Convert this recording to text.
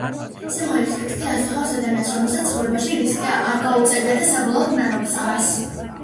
სიმღერის ტექსტი ასახავს ადამიანს, რომელსაც ცხოვრებაში რისკი არ გაუწევია და საბოლოოდ ნანობს ამას.